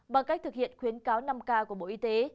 bằng cách thực hiện khuyến cáo năm k của bộ y tế